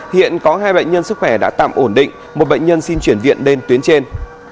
hiện có hai bệnh nhân sức khỏe đã tạm ổn định một bệnh nhân xin chuyển viện lên tuyến trên